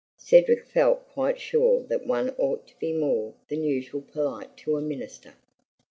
Cedric felt quite sure that one ought to be more than usually polite to a minister.